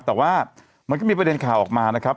แต่ว่ามันก็มีประเด็นข่าวออกมานะครับ